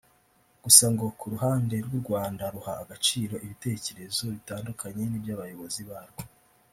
gusa ngo ku ruhande rw’u Rwanda ruha agaciro ibitekerezo bitandukanye n’iby’abayobozi barwo